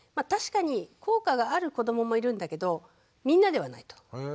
確かに効果がある子どももいるんだけどみんなではないと。